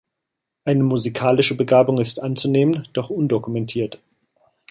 Eine musikalische Begabung ist anzunehmen, doch undokumentiert.